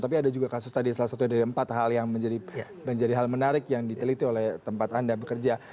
tapi ada juga kasus tadi salah satunya dari empat hal yang menjadi hal menarik yang diteliti oleh tempat anda bekerja